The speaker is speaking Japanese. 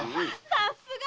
さすが！